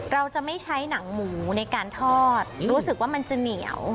เราจะไม่ใช้หนังหมูในการทอดรู้สึกว่ามันจะเหนียว